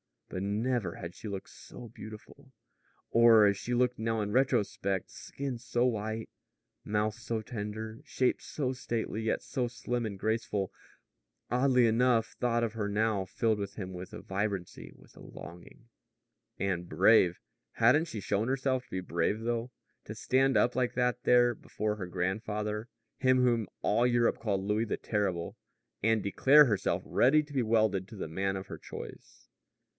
But never had she looked so beautiful or as she looked now in retrospect skin so white, mouth so tender, shape so stately, yet so slim and graceful. Oddly enough, thought of her now filled him with a vibrancy, with a longing. And brave! Hadn't she shown herself to be brave though to stand up like that there before her grandfather, him whom all Europe called Louis the Terrible, and declare herself ready to be welded to the man of her choice!